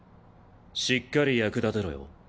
しっかり役立てろよ。